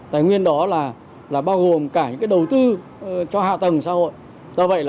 tài nguyên đó là bao gồm cả những đầu tư cho hạ tầng xã hội